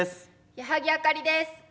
矢作あかりです。